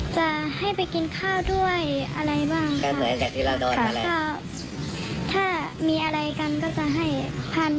จะให้ไปกินข้าวด้วยอะไรบ้าง